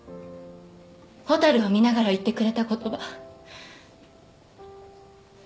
蛍を見ながら言ってくれた言葉。